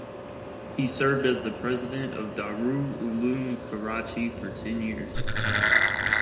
He served as the president of Darul Uloom Karachi for ten years.